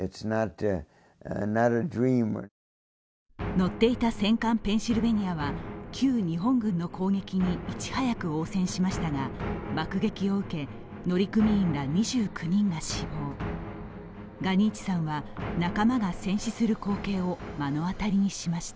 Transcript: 乗っていた戦艦「ペンシルベニア」は旧日本軍の攻撃にいち早く応戦しましたが爆撃を受け、乗組員ら２９人が死亡ガニーチさんは、仲間が戦死する光景を目の当たりにしました。